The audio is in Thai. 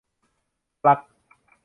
- ปลั๊ก